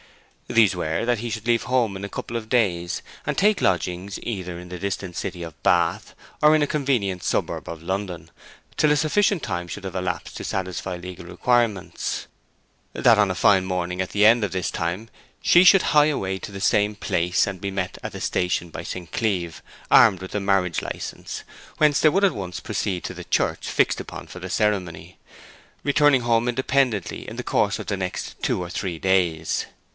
These were that he should leave home in a couple of days, and take lodgings either in the distant city of Bath or in a convenient suburb of London, till a sufficient time should have elapsed to satisfy legal requirements; that on a fine morning at the end of this time she should hie away to the same place, and be met at the station by St. Cleeve, armed with the marriage license; whence they should at once proceed to the church fixed upon for the ceremony; returning home independently in the course of the next two or three days.